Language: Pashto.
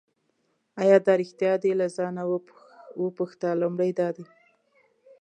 آیا دا ریښتیا دي له ځانه وپوښته لومړی دا دی.